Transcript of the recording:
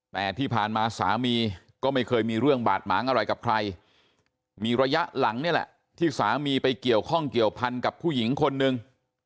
แต่ที่ผ่านมาสามีก็ไม่เคยมีเรื่องบาดหมางอะไรกับใครมีระยะหลังนี่แหละที่สามีไปเกี่ยวข้องเกี่ยวพันกับผู้หญิงคนนึง